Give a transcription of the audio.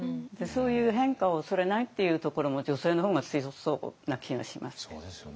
そういう変化を恐れないっていうところも女性の方が強そうな気がします。